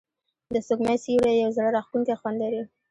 د سپوږمۍ سیوری یو زړه راښکونکی خوند لري.